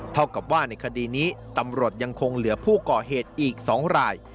เท่ากับว่าในคดีนี้ตำรวจยังคงเหลือผู้ก่อเหตุอีก๒ราย